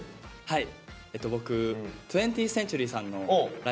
はい！